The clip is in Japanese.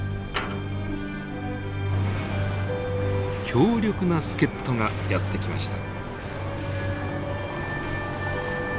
強力な助っ人がやって来ました。